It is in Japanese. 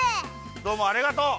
どうもありがとう。